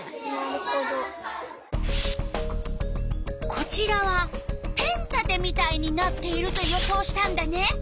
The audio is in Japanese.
こちらはペン立てみたいになっていると予想したんだね。